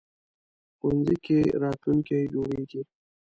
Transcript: ښوونځی کې راتلونکی جوړېږي